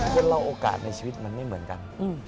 คนเราโอกาสในชีวิตมันไม่เหมือนกัน